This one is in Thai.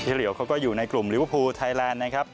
เหรียวเขาก็อยู่ในกลุ่มลิเวอร์พูลไทยแลนด์นะครับ